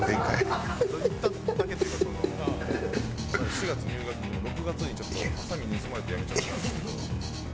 ４月入学の６月にちょっとはさみ盗まれて辞めちゃったんですけど。